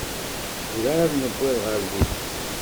Ur εad newwiḍ ɣer din.